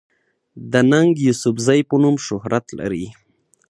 د “ ننګ يوسفزۍ” پۀ نوم شهرت لري